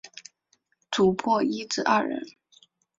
主薄一至二人。